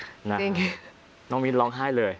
จริงน้องมินร้องไห้เลย